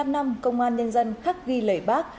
một mươi năm năm công an nhân dân khắc ghi lời bác